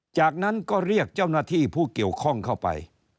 จากนั้นก็เรียกเจ้าหน้าที่ผู้เกี่ยวข้องเข้าไป